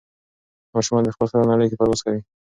ماشومان د خپل خیال نړۍ کې پرواز کوي.